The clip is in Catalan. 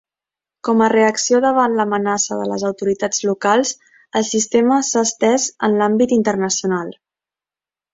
Com a reacció davant l'amenaça de les autoritats locals, el sistema s'ha estès en l'àmbit internacional.